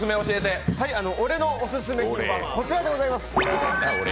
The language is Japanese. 俺のオススメはこちらでございます。